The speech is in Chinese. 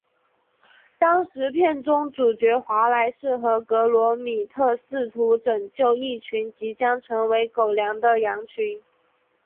当时片中主角华莱士和格罗米特试图拯救一群即将成为狗粮的羊群。